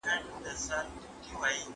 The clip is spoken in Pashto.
ایا افغان سوداګر خندان پسته ساتي؟